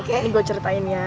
ini gue ceritain ya